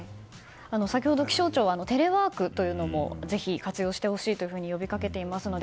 先ほど気象庁はテレワークというのもぜひ活用してほしいと呼びかけていますので